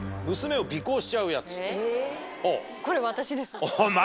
これ私ですね。